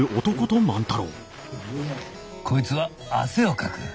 こいつは汗をかく。